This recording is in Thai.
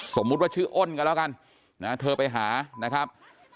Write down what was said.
สมมุติว่าชื่ออ้นกันแล้วกันนะเธอไปหานะครับ